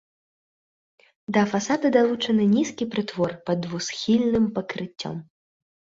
Да фасада далучаны нізкі прытвор пад двухсхільным пакрыццём.